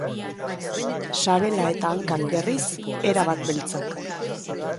Sabela eta hankak, berriz, erabat beltzak.